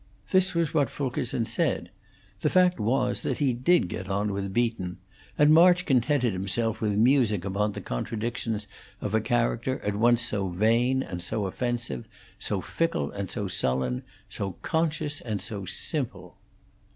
This was what Fulkerson said; the fact was that he did get on with Beaton and March contented himself with musing upon the contradictions of a character at once so vain and so offensive, so fickle and so sullen, so conscious and so simple.